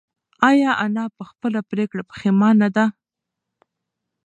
ایا انا په خپله پرېکړه پښېمانه ده؟